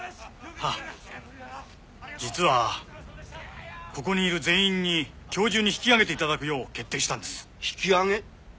はあ実はここにいる全員に今日中に引き揚げていただくよう決定したんです引き揚げ